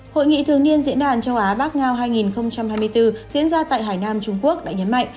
hội nghị thường niên diễn đàn châu á bắc ngao hai nghìn hai mươi bốn diễn ra tại hải nam trung quốc đã nhấn mạnh